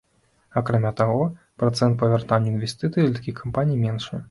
Акрамя таго, працэнт па вяртанню інвестыцый для такіх кампаній меншы.